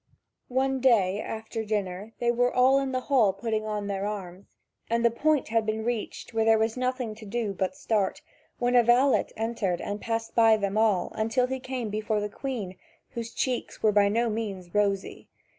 (Vv. 5257 5378.) One day after dinner they were all in the hall putting on their arms, and the point had been reached where there was nothing to do but start, when a valet entered and passed by them all until he came before the Queen, whose cheeks were by no means rosy!